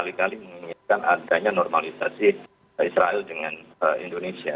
kali kali menginginkan adanya normalisasi israel dengan indonesia